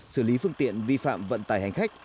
xử lý phương tiện vi phạm vận tải hành khách